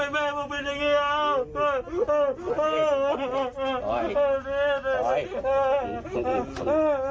แม่ผมแม่ผมเป็นยังไงแล้ว